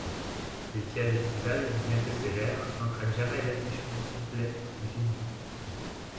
L'étiage estival, bien que sévère, n'entraîne jamais l'assèchement complet du Lignon.